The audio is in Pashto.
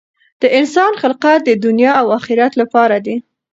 د انسان خلقت د دنیا او آخرت لپاره دی.